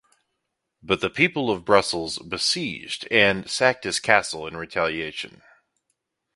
But the people of Brussels besieged and sacked his castle in retaliation.